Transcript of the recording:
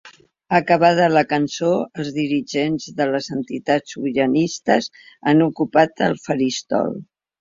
Acabada la cançó, els dirigents de les entitats sobiranistes han ocupat el faristol.